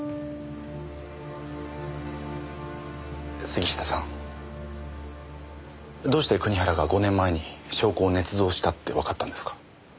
杉下さんどうして国原が５年前に証拠を捏造したってわかったんですか？